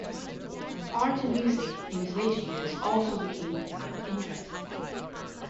Art and music, in his later years, also became avid interests.